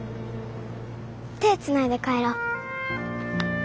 手つないで帰ろう。